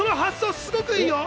すごくいいよ！